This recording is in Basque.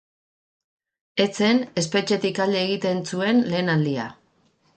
Ez zen espetxetik alde egiten zuen lehen aldia.